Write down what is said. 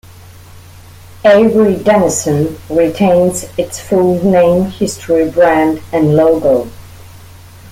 Avery Dennison retains its full name, history, brand and logo.